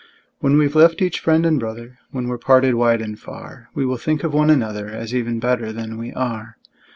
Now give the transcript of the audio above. When we've left each friend and brother, When we're parted wide and far, We will think of one another, As even better than we are.